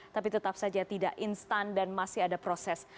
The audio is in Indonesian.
tapi tetap saja tidak instan dan masih ada proses